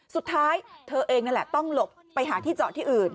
เธอเองนั่นแหละต้องหลบไปหาที่จอดที่อื่น